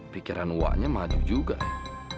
pikiran uaknya madu juga ya